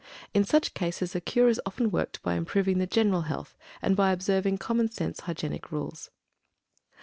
In such cases a cure is often worked by improving the general health, and by observing common sense hygienic rules.